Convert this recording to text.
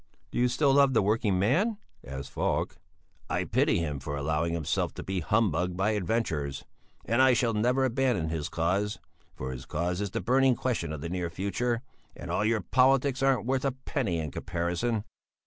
"Do you still love the working man?" asked Falk. "I pity him for allowing himself to be humbugged by adventurers, and I shall never abandon his cause, for his cause is the burning question of the near future, and all your politics aren't worth a penny in comparison."